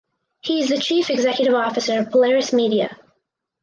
He is the chief executive officer of Polaris Media.